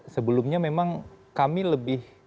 sebelumnya memang kami lebih